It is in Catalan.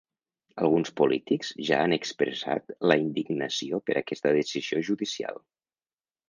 Alguns polítics ja han expressat la indignació per aquesta decisió judicial.